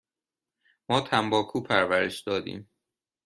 ما تنباکو پرورش دادیم.